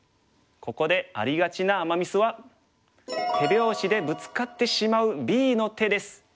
ここでありがちなアマ・ミスは手拍子でブツカってしまうＢの手です。